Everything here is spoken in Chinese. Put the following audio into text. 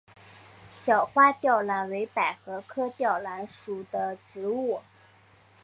小花吊兰为百合科吊兰属的植物。